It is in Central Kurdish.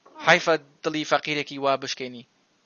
حەیفە دڵی فەقیرێکی وا بشکێنی